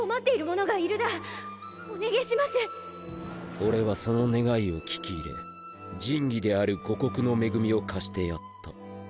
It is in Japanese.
俺はその願いを聞き入れ神器である「五穀の恵み」を貸してやった。